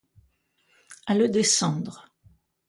À le descendre.